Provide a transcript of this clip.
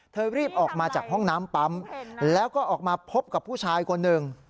รีบออกมาจากห้องน้ำปั๊มแล้วก็ออกมาพบกับผู้ชายคนหนึ่ง